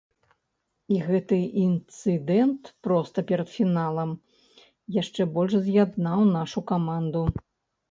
І гэты інцыдэнт проста перад фіналам яшчэ больш з'яднаў нашу каманду.